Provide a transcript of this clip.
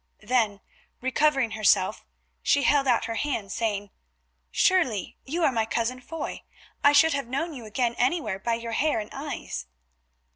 Then, recovering herself, she held out her hand, saying, "Surely you are my cousin Foy; I should have known you again anywhere by your hair and eyes."